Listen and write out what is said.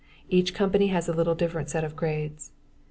Each company has a little different set of grades.